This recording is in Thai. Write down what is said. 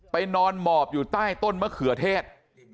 นอนหมอบอยู่ใต้ต้นมะเขือเทศ